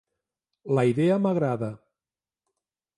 La idea m'agrada.